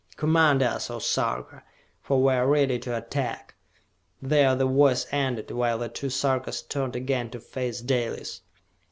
Command us, O Sarka, for we are ready to attack!" There the voice ended, while the two Sarkas turned again to face Dalis.